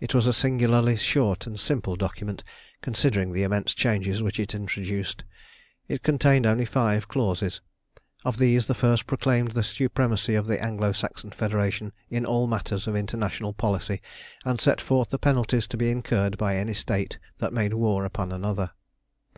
It was a singularly short and simple document considering the immense changes which it introduced. It contained only five clauses. Of these the first proclaimed the supremacy of the Anglo Saxon Federation in all matters of international policy, and set forth the penalties to be incurred by any State that made war upon another.